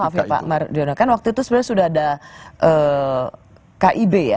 maaf ya pak mardiono kan waktu itu sebenarnya sudah ada kib ya